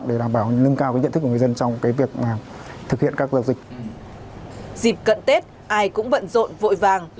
dịp cận tết ai cũng bận rộn vội vàng